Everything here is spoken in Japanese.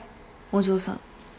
お嬢さん。